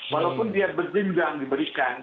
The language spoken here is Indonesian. walaupun dia berjenjang diberikan